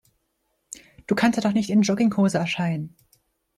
Du kannst da doch nicht in Jogginghose erscheinen.